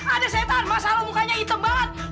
ada setan masa lo mukanya hitam banget